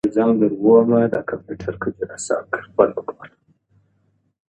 د واک محدودیت سوله ساتي